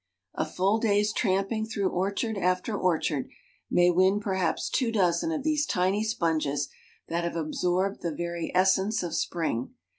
A full day's tramping through orchard after orchard may win perhaps two dozen of these tiny sponges that have absorbed the very essence of spring.